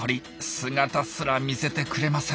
姿すら見せてくれません。